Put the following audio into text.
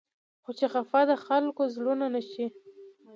خو چې خفه د خلقو زړونه نه شي